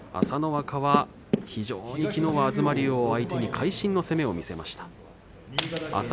朝乃若は非常に、きのうは東龍を相手に会心の攻めを見せました。